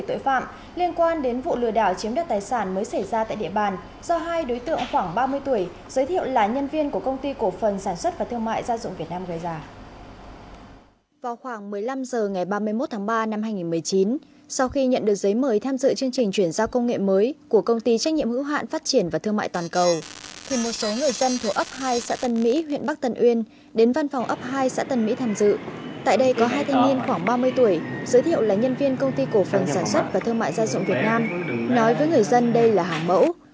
tại đây có hai thanh niên khoảng ba mươi tuổi giới thiệu là nhân viên công ty cổ phần sản xuất và thương mại gia dụng việt nam nói với người dân đây là hàng mẫu